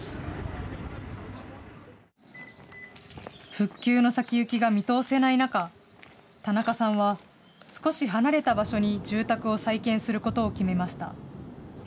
復旧の先行きが見通せない中、田中さんは、少し離れた場所に住宅を再建することを決めました。